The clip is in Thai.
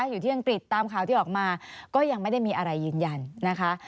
อยู่ที่อังกฤษตามข่าวที่ออกมาก็ยังไม่ได้มีอะไรยืนยันนะคะ